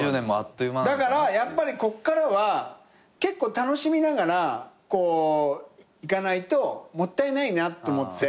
だからやっぱりこっからは結構楽しみながらいかないともったいないなと思って。